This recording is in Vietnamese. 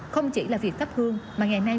không chỉ là việc thắp hương mà ngày nay